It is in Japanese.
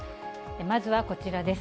まずはこちらです。